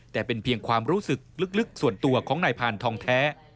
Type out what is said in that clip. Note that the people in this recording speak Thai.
แต่เป็นเพียงความรู้สึกลึกส่วนตัวของนายพานทองแท้